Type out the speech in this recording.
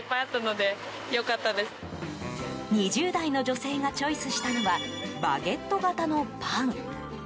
２０代の女性がチョイスしたのはバゲット型のパン。